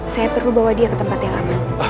saya perlu bawa dia ke tempat yang aman